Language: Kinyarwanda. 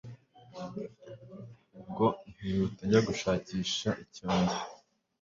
ubwo nkihuta njya gushaka icyo ndya